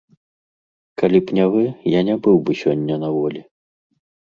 Калі б не вы, я не быў бы сёння на волі.